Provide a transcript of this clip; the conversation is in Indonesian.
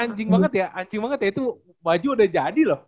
anjing banget ya anjing banget ya itu baju udah jadi loh